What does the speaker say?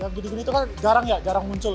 yang gini gini itu kan jarang ya jarang muncul